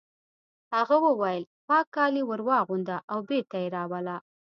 هغه وویل پاک کالي ور واغونده او بېرته یې راوله